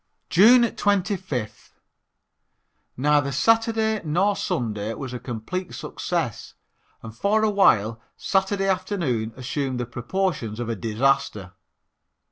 June 25th. Neither Saturday nor Sunday was a complete success and for a while Saturday afternoon assumed the proportions of a disaster.